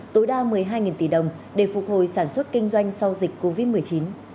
tối đa một mươi hai tỷ đồng để phục hồi sản xuất kinh doanh sau dịch covid một mươi chín